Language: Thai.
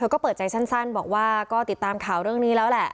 ก็เปิดใจสั้นบอกว่าก็ติดตามข่าวเรื่องนี้แล้วแหละ